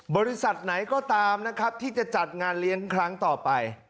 บริษัทไหนก็ตามนะครับที่จะจัดงานเลี้ยงครั้งต่อไป